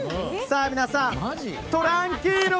皆さん、トランキーロ！